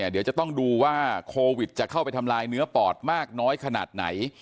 เดี๋ยวจะต้องดูว่าโควิดจะเข้าไปทำลายเนื้อปอดมากน้อยขนาดไหน